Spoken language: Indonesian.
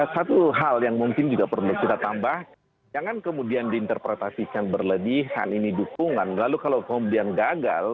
satu hal yang mungkin juga perlu kita tambah jangan kemudian diinterpretasikan berlebihan ini dukungan lalu kalau kemudian gagal